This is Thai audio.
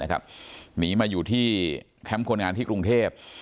หนีมาอยู่ที่แคมป์คนงานที่กรุงเทพ